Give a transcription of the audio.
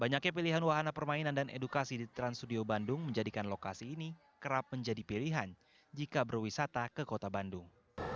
banyaknya pilihan wahana permainan dan edukasi di trans studio bandung menjadikan lokasi ini kerap menjadi pilihan jika berwisata ke kota bandung